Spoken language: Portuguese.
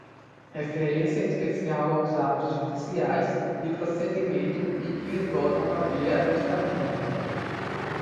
Referência especial aos atos judiciais, de procedimento e que esgotam a via administrativa.